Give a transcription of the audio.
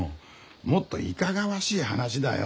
もっといかがわしい話だよ。